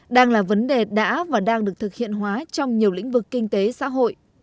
đang là vấn đề đã và đang được thực hiện hóa trong nhiều lĩnh vực kinh tế xã hội